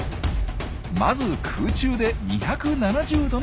まず空中で２７０度のターン。